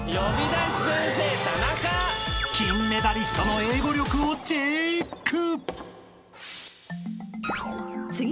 ［金メダリストの英語力をチェック！］